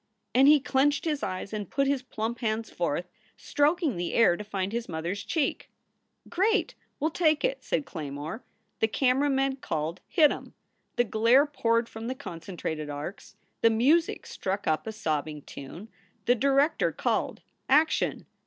And he clenched his eyes and put his plump hands forth, stroking the air to find his mother s cheek. "Great! We ll take it!" said Claymore. The camera man called, "Hit em!" The glare poured from the con centrated arcs. The music struck up a sobbing tune. The director called: "Action!